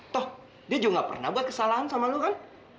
toh dia juga gak pernah buat kesalahan sama lo kan